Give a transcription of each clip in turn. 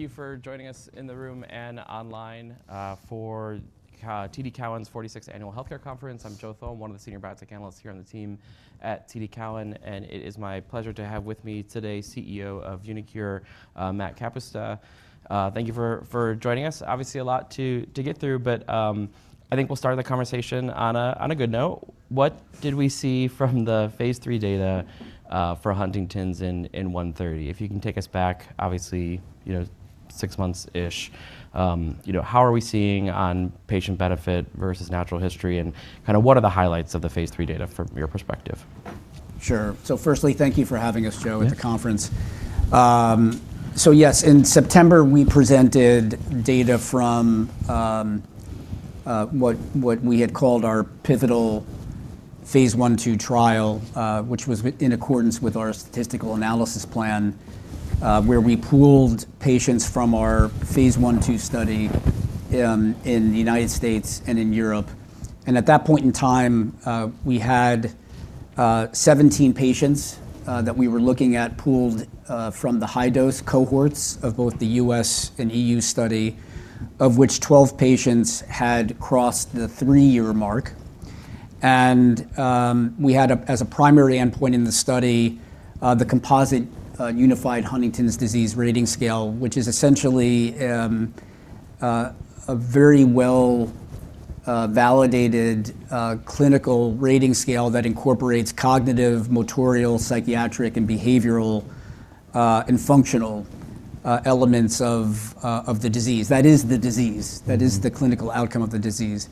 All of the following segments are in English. You for joining us in the room and online, for TD Cowen's 46th Annual Healthcare Conference. I'm Joe Thome, one of the senior biotech analysts here on the team at TD Cowen, and it is my pleasure to have with me today, CEO of uniQure, Matt Kapusta. Thank you for joining us. Obviously, a lot to get through, but, I think we'll start the conversation on a good note. What did we see from the phase III data for Huntington's in AMT-130? If you can take us back, obviously, you know, six months-ish, you know, how are we seeing on patient benefit versus natural history, and kinda what are the highlights of the phase III data from your perspective? Sure. Firstly, thank you for having us, Joe. Yeah at the conference. Yes, in September, we presented data from what we had called our pivotal phase I/II trial, which was in accordance with our statistical analysis plan, where we pooled patients from our phase I/II study in the United States and in Europe. At that point in time, we had 17 patients that we were looking at pooled from the high-dose cohorts of both the U.S. and EU study, of which 12 patients had crossed the three-year mark. We had as a primary endpoint in the study the composite Unified Huntington's Disease Rating Scale, which is essentially a very well validated clinical rating scale that incorporates cognitive, motorial, psychiatric, and behavioral, and functional elements of the disease. That is the disease. Mm-hmm. That is the clinical outcome of the disease.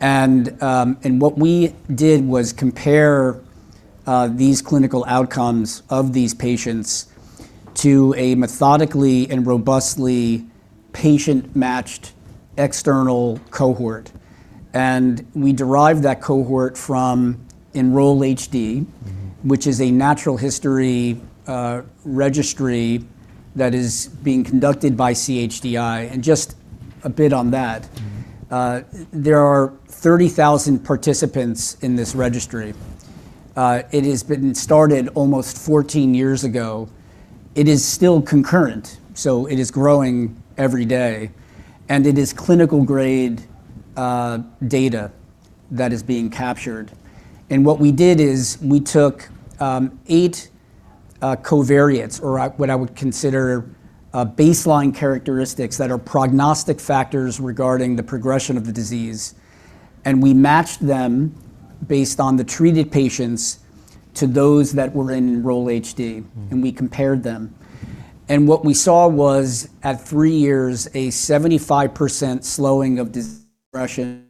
What we did was compare these clinical outcomes of these patients to a methodically and robustly patient-matched external cohort. We derived that cohort from Enroll-HD- Mm-hmm ...which is a natural history, registry that is being conducted by CHDI. Just a bit on that- Mm-hmm... there are 30,000 participants in this registry. It has been started almost 14 years ago. It is still concurrent, so it is growing every day, and it is clinical grade data that is being captured. What we did is we took eight covariates or what I would consider baseline characteristics that are prognostic factors regarding the progression of the disease, and we matched them based on the treated patients to those that were in Enroll-HD- Mm-hmm ...and we compared them. What we saw was, at three years, a 75% slowing of progression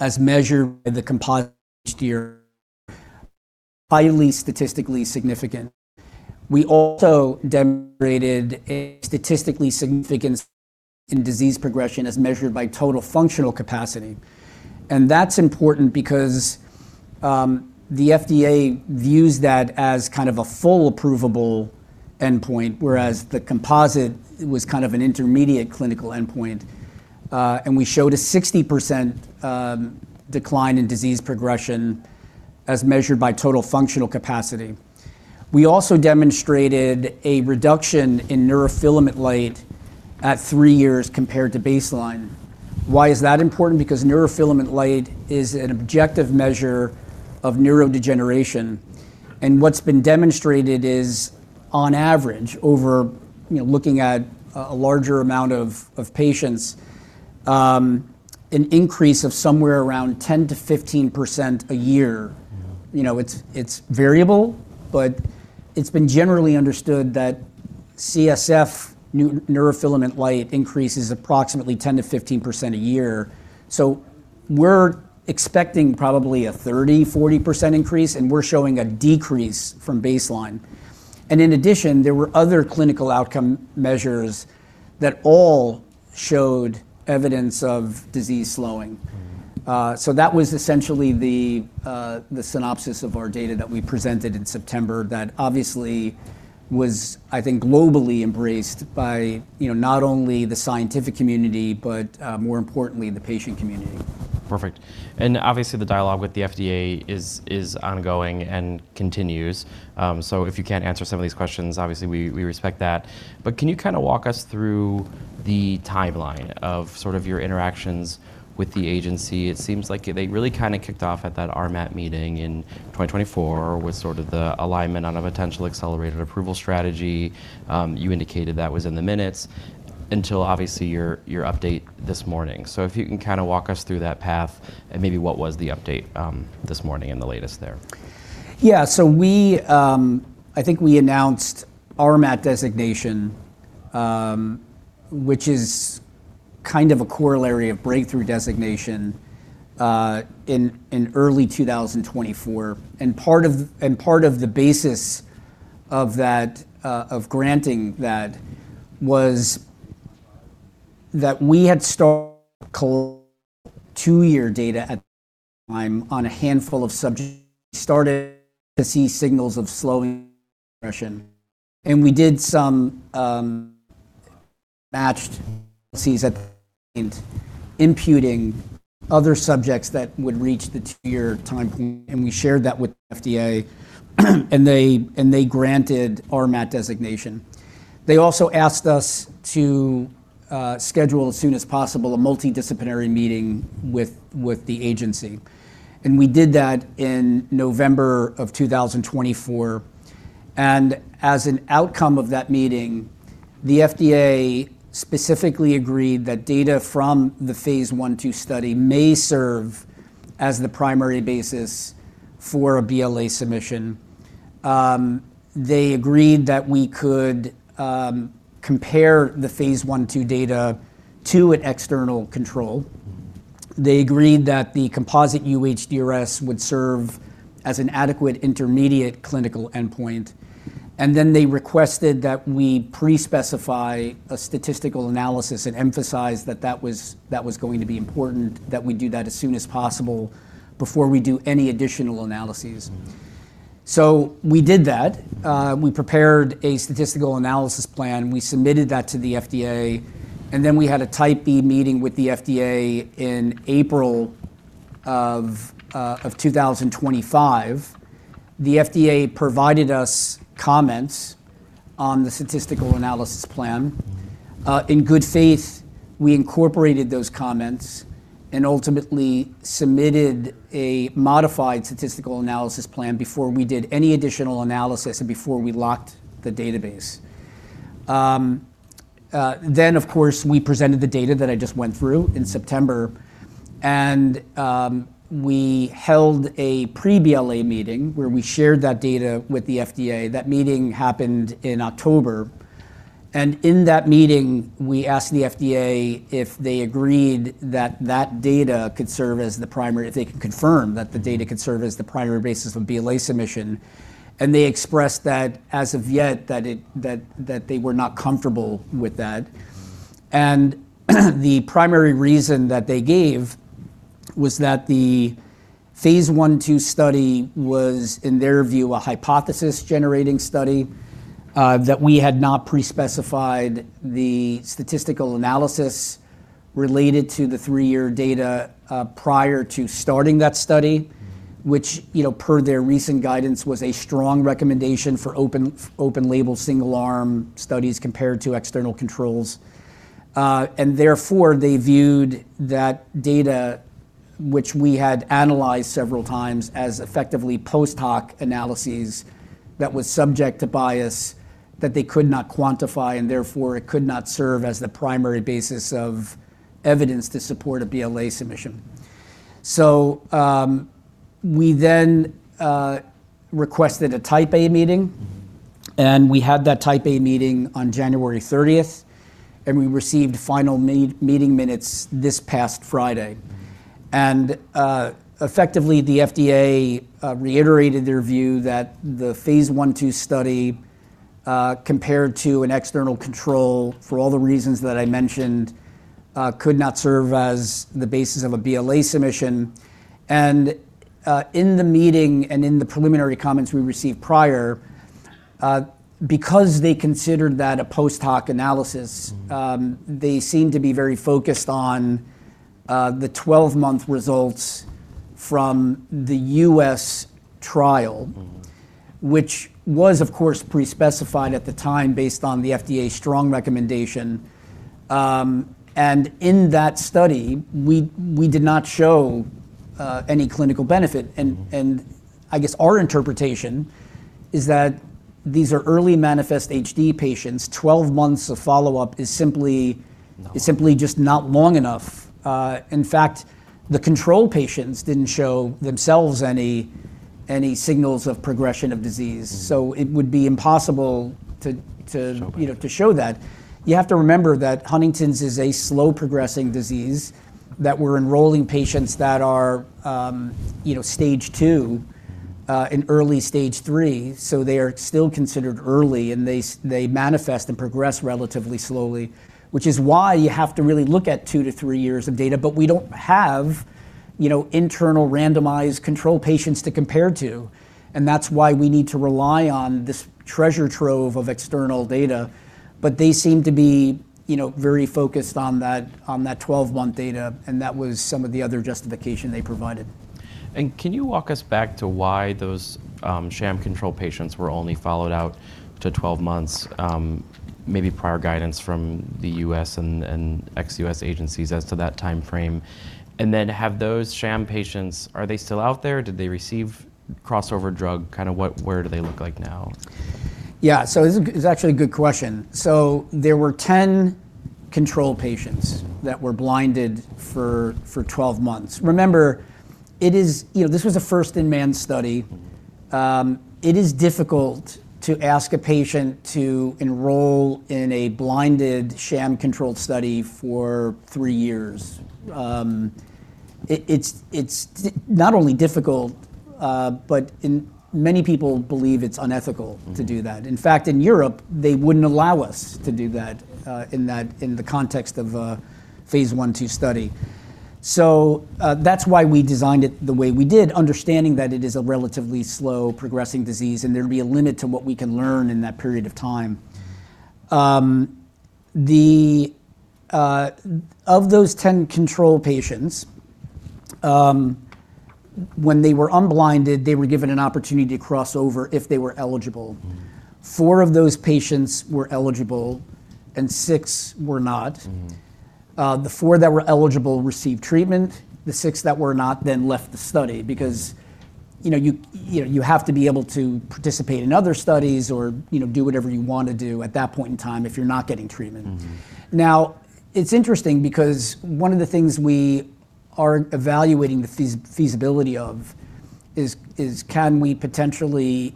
as measured in the composite year, highly statistically significant. We also demonstrated a statistically significant in disease progression as measured by Total Functional Capacity. That's important because the FDA views that as kind of a full approvable endpoint, whereas the composite was kind of an intermediate clinical endpoint. We showed a 60% decline in disease progression as measured by Total Functional Capacity. We also demonstrated a reduction in Neurofilament light at three years compared to baseline. Why is that important? Because Neurofilament light is an objective measure of neurodegeneration. What's been demonstrated is, on average, over, you know, looking at a larger amount of patients, an increase of somewhere around 10%-15% a year. Mm-hmm. You know, it's variable, it's been generally understood that CSF neurofilament light increases approximately 10%-15% a year. We're expecting probably a 30%, 40% increase, we're showing a decrease from baseline. In addition, there were other clinical outcome measures that all showed evidence of disease slowing. Mm-hmm. That was essentially the synopsis of our data that we presented in September that obviously was, I think, globally embraced by, you know, not only the scientific community, but more importantly, the patient community. Perfect. Obviously, the dialogue with the FDA is ongoing and continues. So if you can't answer some of these questions, obviously we respect that. Can you kinda walk us through the timeline of sort of your interactions with the agency? It seems like they really kinda kicked off at that RMAT meeting in 2024 with sort of the alignment on a potential accelerated approval strategy. You indicated that was in the minutes until obviously your update this morning. If you can kinda walk us through that path and maybe what was the update, this morning and the latest there. Yeah. I think we announced RMAT designation, which is kind of a corollary of Breakthrough Therapy designation in early 2024. Part of the basis of that of granting that was that we had two-year data at the time on a handful of subjects started to see signals of slowing progression. We did some matched analyses and imputing other subjects that would reach the two-year timeframe, and we shared that with the FDA, and they granted RMAT designation. They also asked us to schedule as soon as possible a multidisciplinary meeting with the agency. We did that in November of 2024. As an outcome of that meeting, the FDA specifically agreed that data from the phase I/II study may serve as the primary basis for a BLA submission. They agreed that we could compare the phase I/II data to an external control. Mm-hmm. They agreed that the composite UHDRS would serve as an adequate intermediate clinical endpoint. They requested that we pre-specify a statistical analysis and emphasized that that was going to be important, that we do that as soon as possible before we do any additional analyses. Mm-hmm. We did that. We prepared a statistical analysis plan. We submitted that to the FDA. We had a Type B meeting with the FDA in April of 2025. The FDA provided us comments on the statistical analysis plan. In good faith, we incorporated those comments and ultimately submitted a modified statistical analysis plan before we did any additional analysis and before we locked the database. Then, of course, we presented the data that I just went through in September, and we held a pre-BLA meeting where we shared that data with the FDA. That meeting happened in October. In that meeting, we asked the FDA if they agreed that that data could serve as the primary if they could confirm that the data could serve as the primary basis of BLA submission. They expressed that, as of yet, that they were not comfortable with that. Mm-hmm. The primary reason that they gave was that the phase I/II study was, in their view, a hypothesis-generating study, that we had not pre-specified the statistical analysis related to the three-year data, prior to starting that study- Mm-hmm... which, you know, per their recent guidance, was a strong recommendation for open-label single-arm studies compared to external controls. Therefore, they viewed that data, which we had analyzed several times, as effectively post hoc analyses that was subject to bias that they could not quantify, and therefore it could not serve as the primary basis of evidence to support a BLA submission. We then, requested a Type A meeting, and we had that Type A meeting on January 30th, and we received final meeting minutes this past Friday. Mm-hmm. Effectively, the FDA reiterated their view that the phase I/II study compared to an external control for all the reasons that I mentioned could not serve as the basis of a BLA submission. In the meeting and in the preliminary comments we received prior because they considered that a post hoc analysis. Mm-hmm they seemed to be very focused on, the 12-month results from the U.S. trial-. Mm-hmm... which was, of course, pre-specified at the time based on the FDA's strong recommendation. In that study, we did not show any clinical benefit. Mm-hmm. I guess our interpretation is that these are early manifest HD patients. 12 months of follow-up is simply- No... is simply just not long enough. In fact, the control patients didn't show themselves any signals of progression of disease. Mm-hmm. It would be impossible to... To show that... you know, to show that. You have to remember that Huntington's is a slow progressing disease, that we're enrolling patients that are, you know, stage 2- Mm-hmm... and early stage 3, so they are still considered early, and they manifest and progress relatively slowly, which is why you have to really look at 2-3 years of data. We don't have, you know, internal randomized control patients to compare to, and that's why we need to rely on this treasure trove of external data. They seem to be, you know, very focused on that, on that 12-month data, and that was some of the other justification they provided. Can you walk us back to why those sham control patients were only followed out to 12 months? Maybe prior guidance from the U.S. and ex-U.S. agencies as to that timeframe. Have those sham patients, are they still out there? Did they receive crossover drug? Kinda where do they look like now? Yeah. This is actually a good question. There were 10 control patients that were blinded for 12 months. Remember, it is, you know, this was a first in man study. Mm-hmm. It is difficult to ask a patient to enroll in a blinded sham-controlled study for three years. It's not only difficult, but many people believe it's unethical to do that. Mm-hmm. In fact, in Europe, they wouldn't allow us to do that in the context of a phase I/II study. That's why we designed it the way we did, understanding that it is a relatively slow progressing disease, and there'd be a limit to what we can learn in that period of time. Of those 10 control patients, when they were unblinded, they were given an opportunity to cross over if they were eligible. Mm. Four of those patients were eligible and six were not. Mm. The four that were eligible received treatment. The six that were not left the study because, you know, you have to be able to participate in other studies or, you know, do whatever you want to do at that point in time if you're not getting treatment. Mm-hmm. It's interesting because one of the things we are evaluating the feasibility of is, despite the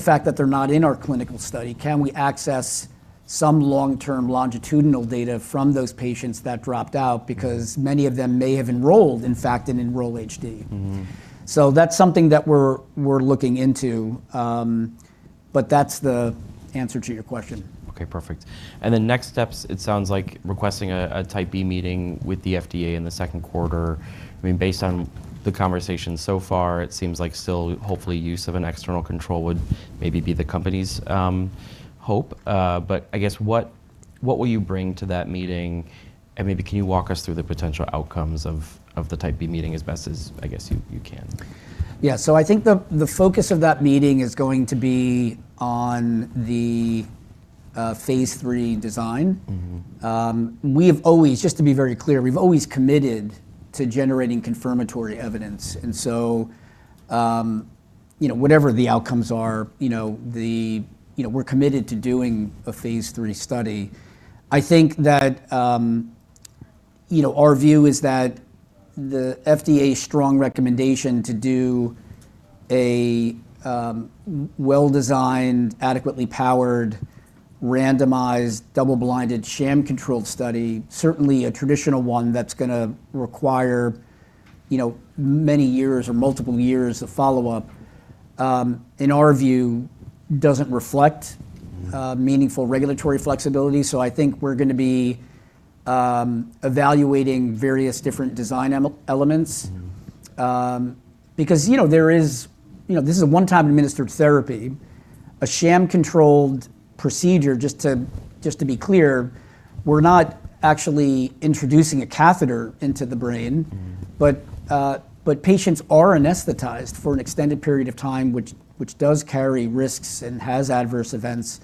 fact that they're not in our clinical study, can we access some long-term longitudinal data from those patients that dropped out. Mm... because many of them may have enrolled, in fact, in Enroll-HD. Mm. That's something that we're looking into, but that's the answer to your question. Okay, perfect. Next steps, it sounds like requesting a Type B meeting with the FDA in the second quarter. I mean, based on the conversation so far, it seems like still hopefully use of an external control would maybe be the company's hope. I guess what will you bring to that meeting? Maybe can you walk us through the potential outcomes of the Type B meeting as best as, I guess, you can? Yeah. I think the focus of that meeting is going to be on the phase III design. Mm-hmm. Just to be very clear, we've always committed to generating confirmatory evidence. whatever the outcomes are, you know, the, you know, we're committed to doing a phase III study. I think that, you know, our view is that the FDA's strong recommendation to do a well-designed, adequately powered, randomized, double-blinded, sham-controlled study, certainly a traditional one that's gonna require, you know, many years or multiple years of follow-up, in our view, doesn't reflect- Mm... meaningful regulatory flexibility. I think we're gonna be evaluating various different design elements. Mm. Because this is a one-time administered therapy. A sham-controlled procedure, just to be clear, we're not actually introducing a catheter into the brain. Mm Patients are anesthetized for an extended period of time, which does carry risks and has adverse events.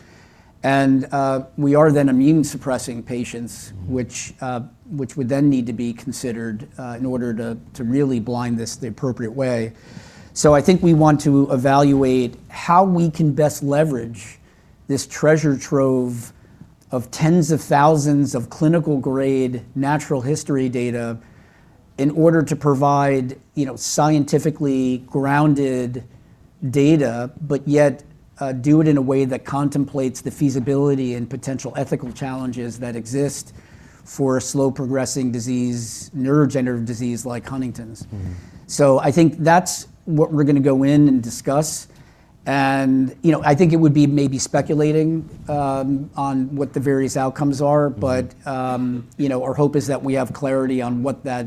We are then immune-suppressing patients-. Mm... which would then need to be considered, in order to really blind this the appropriate way. I think we want to evaluate how we can best leverage this treasure trove of tens of thousands of clinical grade natural history data in order to provide, you know, scientifically grounded data, but yet, do it in a way that contemplates the feasibility and potential ethical challenges that exist for a slow progressing disease, neurodegenerative disease like Huntington's. Mm. I think that's what we're gonna go in and discuss. you know, I think it would be maybe speculating on what the various outcomes are- Mm... but, you know, our hope is that we have clarity on what that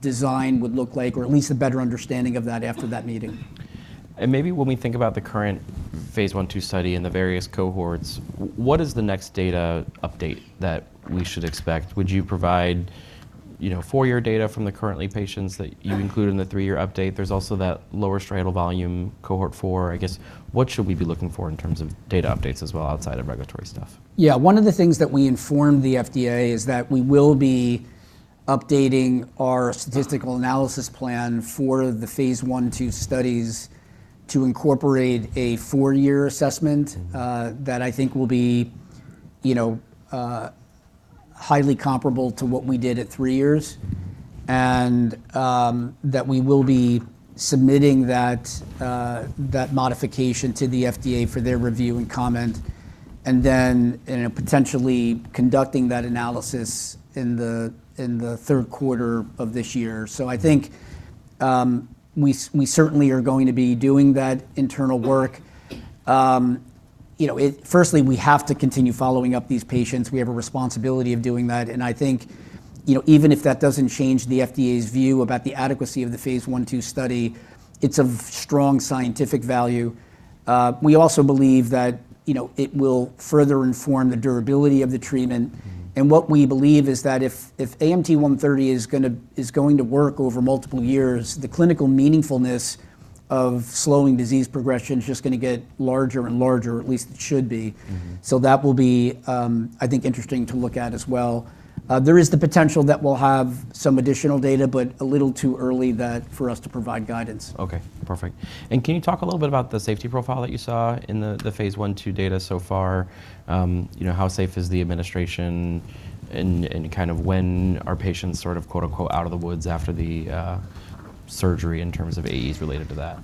design would look like or at least a better understanding of that after that meeting. Maybe when we think about the current phase I/II study and the various cohorts, what is the next data update that we should expect? Would you provide, you know, four-year data from the currently patients that you include in the three-year update? There's also that lower striatal volume, cohort 4. I guess, what should we be looking for in terms of data updates as well outside of regulatory stuff? One of the things that we informed the FDA is that we will be updating our statistical analysis plan for the phase I/II studies to incorporate a four-year assessment. Mm... that I think will be, you know, highly comparable to what we did at three years. That we will be submitting that modification to the FDA for their review and comment, and potentially conducting that analysis in the third quarter of this year. I think, we certainly are going to be doing that internal work. You know, firstly, we have to continue following up these patients. We have a responsibility of doing that. I think, you know, even if that doesn't change the FDA's view about the adequacy of the phase I/II study, it's of strong scientific value. We also believe that, you know, it will further inform the durability of the treatment. Mm. What we believe is that if AMT-130 is going to work over multiple years, the clinical meaningfulness of slowing disease progression is just gonna get larger and larger, at least it should be. Mm. That will be, I think, interesting to look at as well. There is the potential that we'll have some additional data, a little too early that for us to provide guidance. Okay. Perfect. Can you talk a little bit about the safety profile that you saw in the phase I/II data so far? You know, how safe is the administration and kind of when are patients sort of, quote-unquote, "out of the woods" after the, surgery in terms of AEs related to that?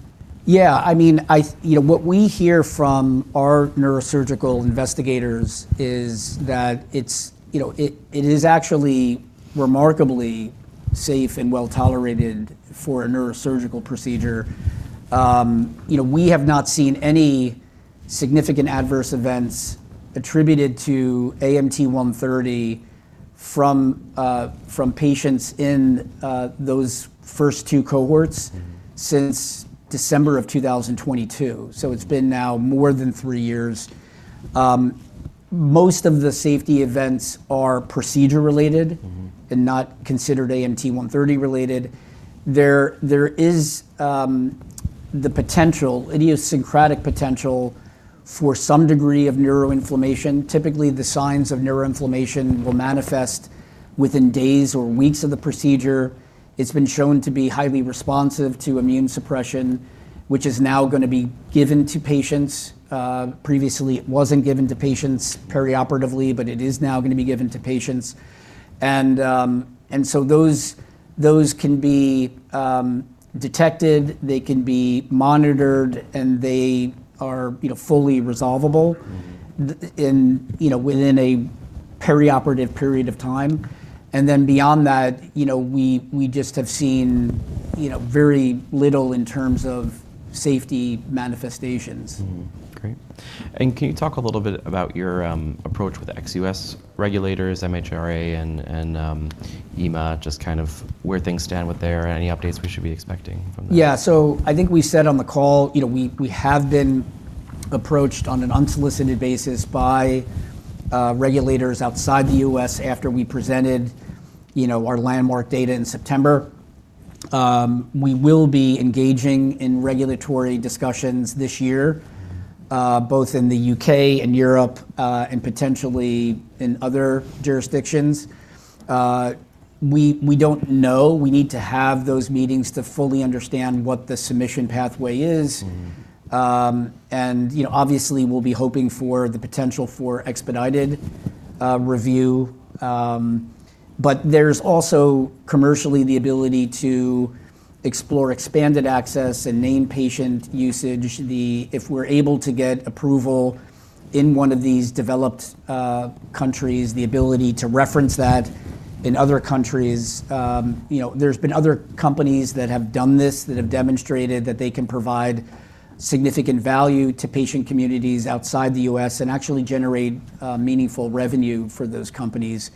Yeah. I mean, you know, what we hear from our neurosurgical investigators is that it's, you know, it is actually remarkably safe and well-tolerated for a neurosurgical procedure. You know, we have not seen any significant adverse events attributed to AMT-130 from patients in those first two cohorts since December of 2022. It's been now more than three years. Most of the safety events are procedure related- Mm-hmm... and not considered AMT-130 related. There is the potential, idiosyncratic potential for some degree of neuroinflammation. Typically, the signs of neuroinflammation will manifest within days or weeks of the procedure. It's been shown to be highly responsive to immune suppression, which is now gonna be given to patients. Previously, it wasn't given to patients perioperatively, but it is now gonna be given to patients. Those can be detected, they can be monitored, and they are, you know, fully resolvable- Mm-hmm... you know, within a perioperative period of time. Then beyond that, you know, we just have seen, you know, very little in terms of safety manifestations. Great. Can you talk a little bit about your approach with ex-U.S. regulators, MHRA and EMA, just kind of where things stand with there, any updates we should be expecting from that? Yeah. I think we said on the call, you know, we have been approached on an unsolicited basis by regulators outside the U.S. after we presented, you know, our landmark data in September. We will be engaging in regulatory discussions this year- Mm-hmm... both in the U.K. and Europe, and potentially in other jurisdictions. We don't know. We need to have those meetings to fully understand what the submission pathway is. Mm-hmm. You know, obviously, we'll be hoping for the potential for expedited review. There's also commercially the ability to explore Expanded Access and Named Patient Use. If we're able to get approval in one of these developed countries, the ability to reference that in other countries. You know, there's been other companies that have done this, that have demonstrated that they can provide significant value to patient communities outside the U.S. and actually generate meaningful revenue for those companies.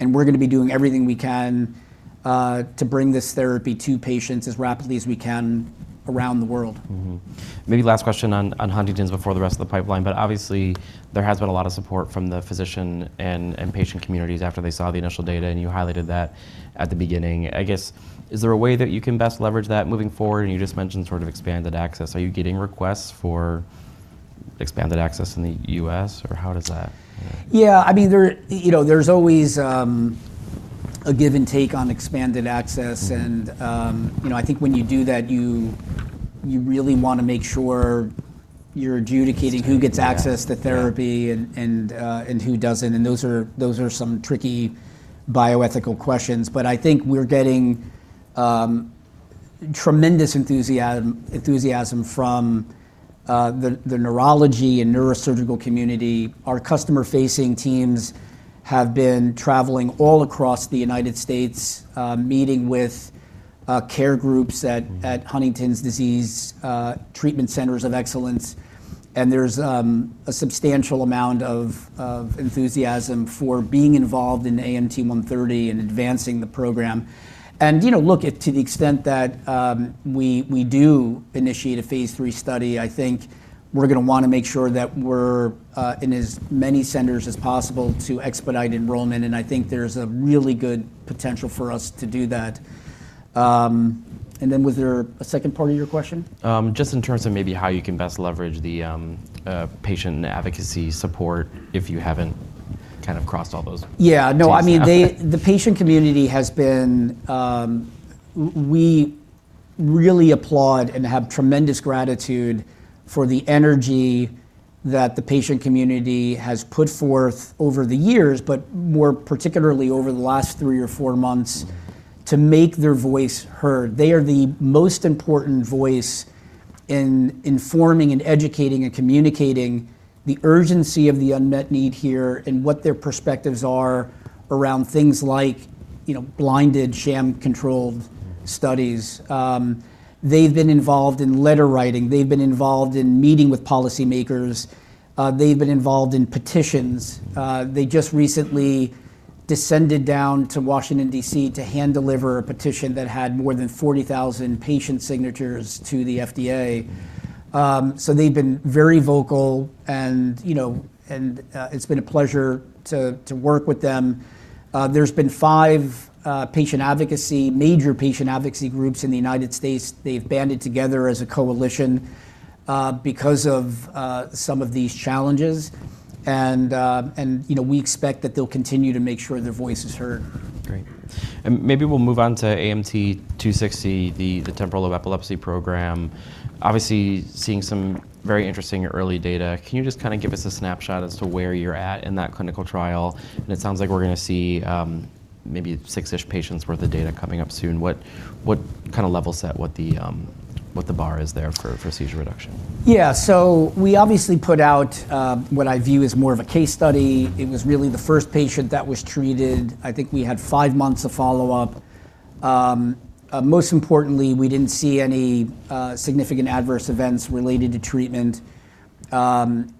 We're gonna be doing everything we can to bring this therapy to patients as rapidly as we can around the world. Maybe last question on Huntington's before the rest of the pipeline. Obviously, there has been a lot of support from the physician and patient communities after they saw the initial data, and you highlighted that at the beginning. I guess, is there a way that you can best leverage that moving forward? You just mentioned sort of expanded access. Are you getting requests for expanded access in the U.S., or how does that? Yeah. I mean, there, you know, there's always a give and take on expanded access. Mm-hmm. You know, I think when you do that, you really wanna make sure you're adjudicating who gets access... It's very yeah.... to therapy and who doesn't, and those are some tricky bioethical questions. I think we're getting tremendous enthusiasm from the neurology and neurosurgical community. Our customer-facing teams have been traveling all across the United States, meeting with care groups- Mm-hmm... at Huntington's disease Treatment Centers of Excellence. There's a substantial amount of enthusiasm for being involved in AMT-130 and advancing the program. You know, look, to the extent that we do initiate a phase III study, I think we're gonna wanna make sure that we're in as many centers as possible to expedite enrollment. I think there's a really good potential for us to do that. Was there a second part of your question? Just in terms of maybe how you can best leverage the patient advocacy support if you haven't kind of crossed all those T's yet. Yeah. No. I mean, the patient community has been. We really applaud and have tremendous gratitude for the energy that the patient community has put forth over the years, but more particularly over the last three or four months to make their voice heard. They are the most important voice in informing and educating and communicating the urgency of the unmet need here and what their perspectives are around things like, you know, blinded sham-controlled studies. They've been involved in letter-writing. They've been involved in meeting with policymakers. They've been involved in petitions. They just recently descended down to Washington, D.C. to hand deliver a petition that had more than 40,000 patient signatures to the FDA. They've been very vocal and, you know, it's been a pleasure to work with them. There's been five major patient advocacy groups in the United States. They've banded together as a coalition because of some of these challenges. You know, we expect that they'll continue to make sure their voice is heard. Great. Maybe we'll move on to AMT-260, the temporal lobe epilepsy program. Obviously, seeing some very interesting early data. Can you just kind of give us a snapshot as to where you're at in that clinical trial? It sounds like we're going to see maybe six-ish patients' worth of data coming up soon. What kind of level set, what the bar is there for seizure reduction? Yeah. We obviously put out, what I view as more of a case study. It was really the first patient that was treated. I think we had five months of follow-up. Most importantly, we didn't see any significant adverse events related to treatment. In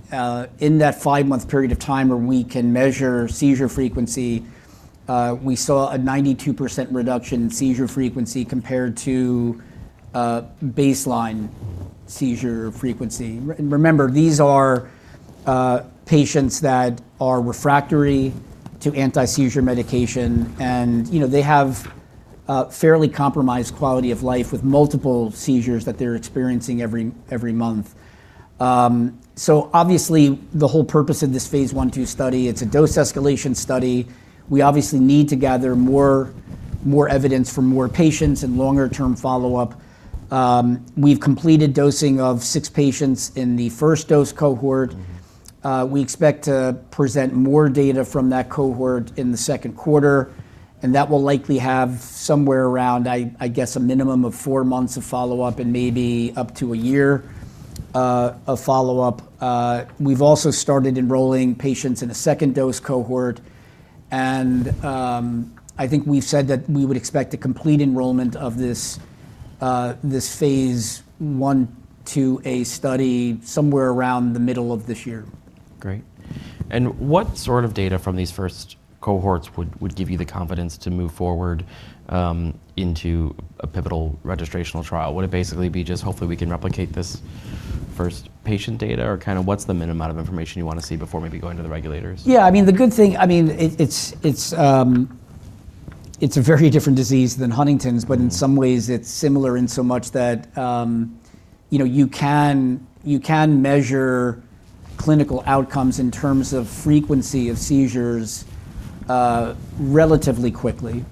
that five-month period of time where we can measure seizure frequency, we saw a 92% reduction in seizure frequency compared to baseline seizure frequency. Remember, these are patients that are refractory to anti-seizure medication, and, you know, they have fairly compromised quality of life with multiple seizures that they're experiencing every month. Obviously the whole purpose of this phase I/II study, it's a dose escalation study. We obviously need to gather more evidence from more patients and longer-term follow-up. We've completed dosing of six patients in the first dose cohort. Mm-hmm. We expect to present more data from that cohort in the second quarter, and that will likely have somewhere around I guess a minimum of four months of follow-up and maybe up to one year of follow-up. We've also started enrolling patients in a second dose cohort, and I think we've said that we would expect a complete enrollment of this phase I/II-A study somewhere around the middle of this year. Great. What sort of data from these first cohorts would give you the confidence to move forward into a pivotal registrational trial? Would it basically be just hopefully we can replicate this first patient data? Or kind of what's the minimum amount of information you want to see before maybe going to the regulators? Yeah, I mean, I mean, it's a very different disease than Huntington's- Mm-hmm ...but in some ways it's similar in so much that, you know, you can measure clinical outcomes in terms of frequency of seizures, relatively quickly.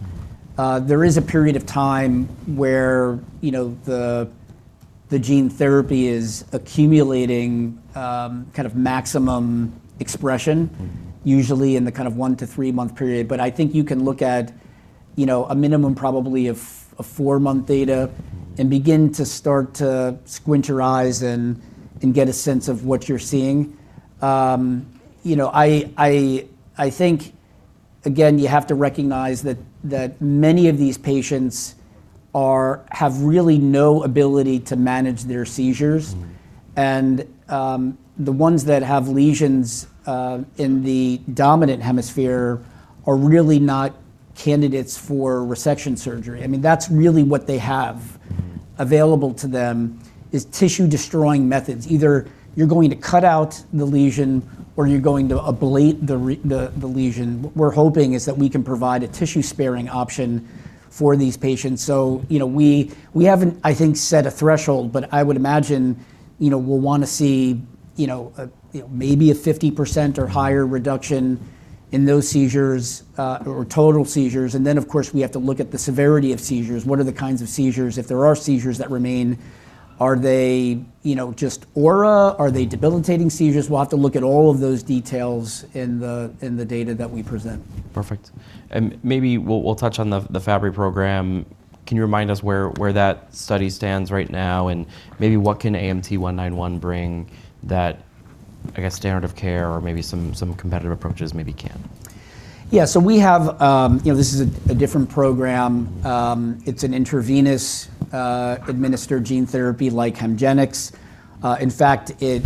Mm-hmm. There is a period of time where, you know, the gene therapy is accumulating, kind of maximum expression... Mm-hmm ...usually in the kind of 1-3 month period. I think you can look at, you know, a minimum probably of a four-month data-. Mm-hmm Begin to start to squint your eyes and get a sense of what you're seeing. you know, I think, again, you have to recognize that many of these patients have really no ability to manage their seizures. Mm-hmm. The ones that have lesions in the dominant hemisphere are really not candidates for resection surgery. I mean, that's really what they have-. Mm-hmm ...available to them is tissue destroying methods. Either you're going to cut out the lesion or you're going to ablate the lesion. What we're hoping is that we can provide a tissue sparing option for these patients. You know, we haven't, I think, set a threshold, but I would imagine, you know, we'll wanna see, you know, a, you know, maybe a 50% or higher reduction in those seizures or total seizures. Of course, we have to look at the severity of seizures. What are the kinds of seizures? If there are seizures that remain, are they, you know, just aura? Are they debilitating seizures? We'll have to look at all of those details in the data that we present. Perfect. Maybe we'll touch on the Fabry program. Can you remind us where that study stands right now, and maybe what can AMT-191 bring that, I guess, standard of care or maybe some competitive approaches maybe can? Yeah. We have, you know, this is a different program. It's an intravenous administered gene therapy like HEMGENIX. In fact, it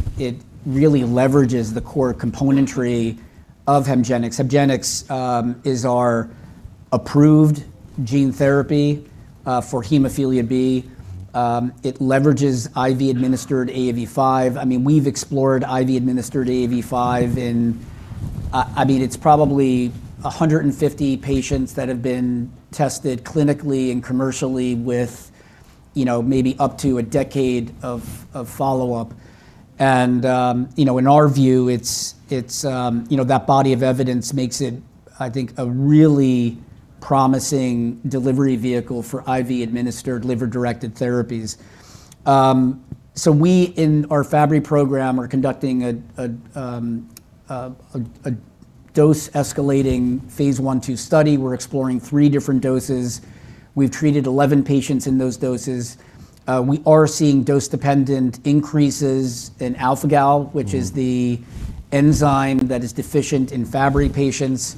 really leverages the core componentry of HEMGENIX. HEMGENIX is our approved gene therapy for hemophilia B. It leverages IV administered AAV5. I mean, we've explored IV administered AAV5 in, I mean, it's probably 150 patients that have been tested clinically and commercially with, you know, maybe up to a decade of follow-up. In our view, it's, you know, that body of evidence makes it, I think, a really promising delivery vehicle for IV administered liver-directed therapies. We, in our Fabry program, are conducting a dose escalating phase I/II study. We're exploring three different doses. We've treated 11 patients in those doses. We are seeing dose dependent increases in alpha-galactosidase A- Mm-hmm ...which is the enzyme that is deficient in Fabry patients.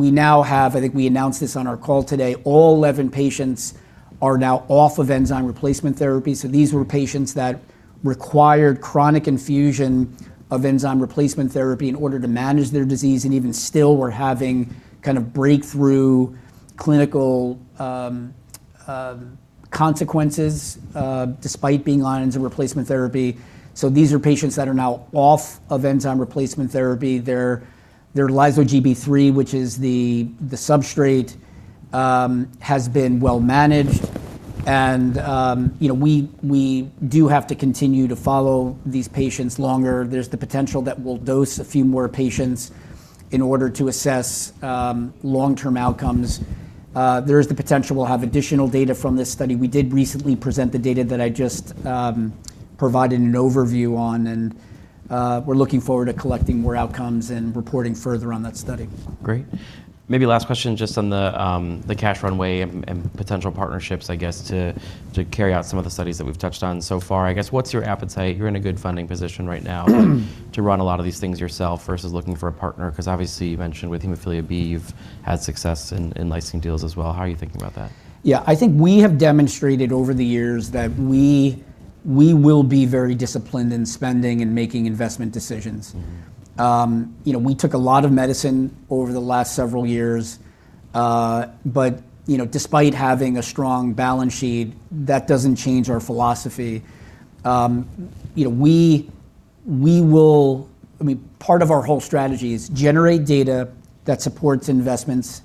We now have, I think we announced this on our call today, all 11 patients are now off of enzyme replacement therapy. These were patients that required chronic infusion of enzyme replacement therapy in order to manage their disease and even still were having kind of breakthrough clinical consequences despite being on enzyme replacement therapy. These are patients that are now off of enzyme replacement therapy. Their lyso-Gb3, which is the substrate, has been well managed. You know, we do have to continue to follow these patients longer. There's the potential that we'll dose a few more patients in order to assess long-term outcomes. There is the potential we'll have additional data from this study. We did recently present the data that I just providing an overview on, and we're looking forward to collecting more outcomes and reporting further on that study. Great. Maybe last question just on the cash runway and potential partnerships, I guess to carry out some of the studies that we've touched on so far. I guess what's your appetite? You're in a good funding position right now to run a lot of these things yourself versus looking for a partner, 'cause obviously you mentioned with hemophilia B you've had success in licensing deals as well. How are you thinking about that? Yeah. I think we have demonstrated over the years that we will be very disciplined in spending and making investment decisions. Mm-hmm. You know, we took a lot of medicine over the last several years, you know, despite having a strong balance sheet, that doesn't change our philosophy. You know, I mean, part of our whole strategy is generate data that supports investments.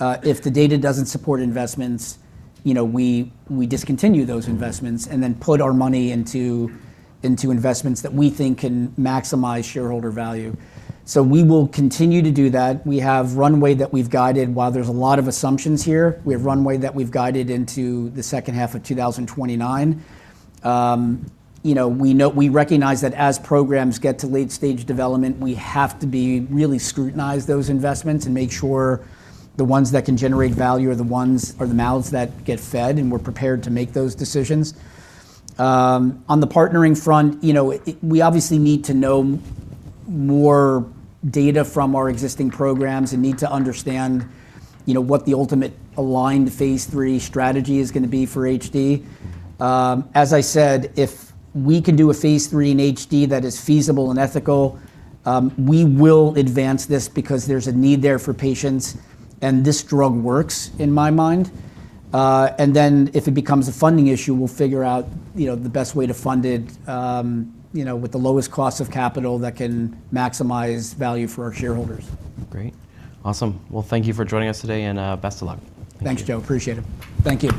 If the data doesn't support investments, you know, we discontinue those investments- Mm-hmm... and then put our money into investments that we think can maximize shareholder value. We will continue to do that. We have runway that we've guided. While there's a lot of assumptions here, we have runway that we've guided into the second half of 2029. You know, we recognize that as programs get to late-stage development we have to really scrutinize those investments and make sure the ones that can generate value are the mouths that get fed, and we're prepared to make those decisions. On the partnering front, you know, we obviously need to know more data from our existing programs and need to understand, you know, what the ultimate aligned phase III strategy is gonna be for HD. As I said, if we can do a phase III in HD that is feasible and ethical, we will advance this because there's a need there for patients, and this drug works in my mind. If it becomes a funding issue, we'll figure out, you know, the best way to fund it, you know, with the lowest cost of capital that can maximize value for our shareholders. Great. Awesome. Well, thank you for joining us today and, best of luck. Thank you. Thanks, Joe. Appreciate it. Thank you.